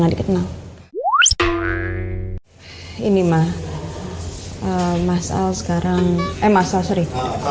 enggak dikenal ini mah masal sekarang emas asri asri